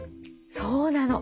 そうなの。